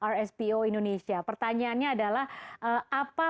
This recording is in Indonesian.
rspo indonesia pertanyaannya adalah apa